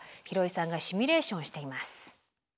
廣井さんがシミュレーションしています。